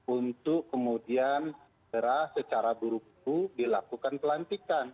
untuk kemudian secara buruk itu dilakukan pelantikan